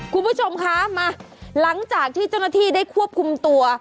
คุณผู้ชมคะมาหลังจากที่เจ้าหน้าที่ได้ควบคุมตัว